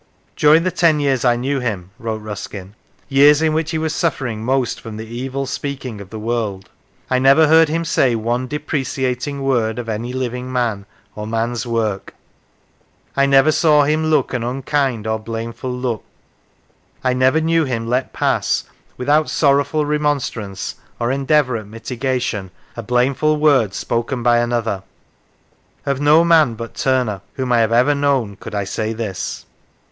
" During the ten years I knew him," wrote Ruskin, " years in which he was suffering most from the evil speaking of the world, I never heard him say one depreciating word of any living man or man's work, I never saw him look an unkind or blameful look; I never knew him let pass, without sorrowful remonstrance, or endeavour at mitigation, a blameful word spoken by another. Of no man but Turner, whom I have ever known, could I say this."